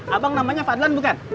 abang namanya fadlan bukan